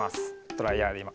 ドライヤーでいま。